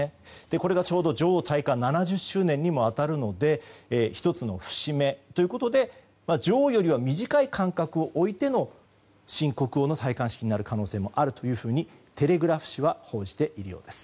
これがちょうど女王戴冠７０周年に当たるので１つの節目ということで女王よりは短い間隔を置いての新国王の戴冠式になる可能性もあるとテレグラフ紙は報じているようです。